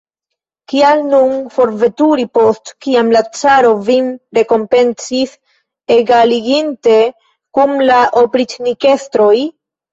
Kial nun forveturi, post kiam la caro vin rekompencis, egaliginte kun la opriĉnikestroj?